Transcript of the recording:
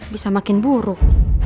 bisa makin buruk